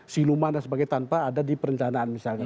siluman dan sebagainya tanpa ada di perencanaan misalnya